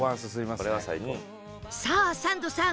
さあサンドさん